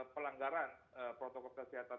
pelanggaran protokol kesehatan